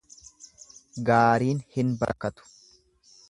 Gaariin hin barakatu.